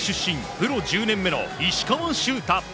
プロ１０年目の石川柊太。